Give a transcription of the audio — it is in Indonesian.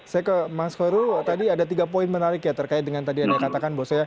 saya ke mas khoirul tadi ada tiga poin menarik ya terkait dengan tadi anda katakan